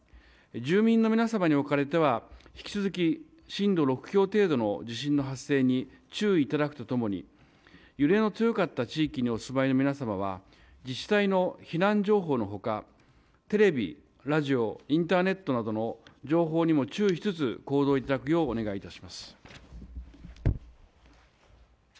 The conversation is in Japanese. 住民の皆様におかれては、引き続き震度６強程度の地震の発生に注意いただくとともに、揺れの強かった地域にお住いの皆様は、自治体の避難情報のほか、テレビ、ラジオ、インターネットなどの情報にも注意しつつ行動いただくようお願いいたします。